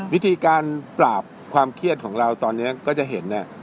วิธีการปราบความเครียดของเราตอนนี้ก็จะเห็น